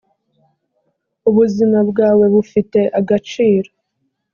ubuzima bwawe bufite agaciro